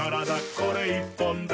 これ１本で」